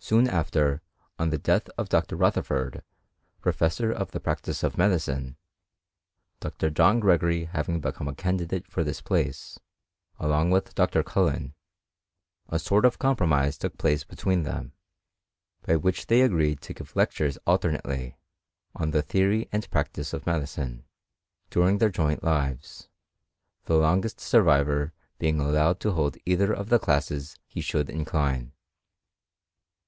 Soon after, on tiie death of Dr. Rutherford, professor of the practice of medicine. Dr. John Gregory having be come a candidate for this place, along with Dr. Cui len^ a sort of compromise took place between them^ by 312 HISTORY OF CHEMISTRY. which they agreed to give lectures alternately, on the theory and practice of medicine, during their joint lives, the longest survivor being allowed to hold either of the classes he should incline.